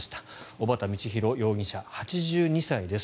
小畠教弘容疑者、８２歳です。